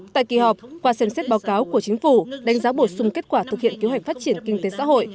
tại kỳ họp qua xem xét báo cáo của chính phủ đánh giá bổ sung kết quả thực hiện kế hoạch phát triển kinh tế xã hội